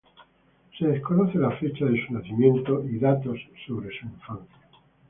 Se desconoce la fecha de su nacimiento y datos sobre su infancia.